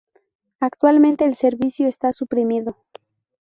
Actualmente el servicio está suprimido.